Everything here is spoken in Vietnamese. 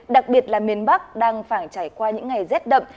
đặc biệt là miền bắc đang phản trải qua những ngày rất đậm